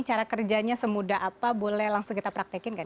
cara kerjanya semudah apa boleh langsung kita praktekin kan